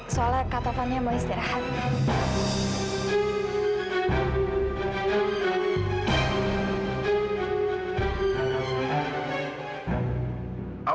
soalnya kak tofannya mau istirahat